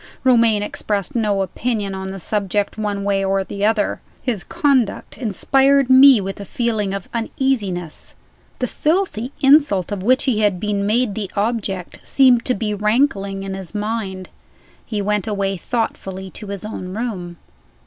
Romayne expressed no opinion on the subject, one way or the other. His conduct inspired me with a feeling of uneasiness. The filthy insult of which he had been made the object seemed to be rankling in his mind. He went away thoughtfully to his own room.